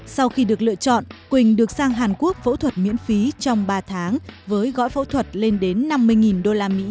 sau khi được lựa chọn quỳnh được sang hàn quốc phẫu thuật miễn phí trong ba tháng với gói phẫu thuật lên đến năm mươi usd